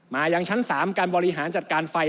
มายังชั้น๓การบริหารจัดการไฟ